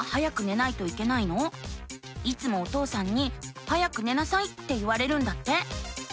いつもお父さんに「早く寝なさい」って言われるんだって。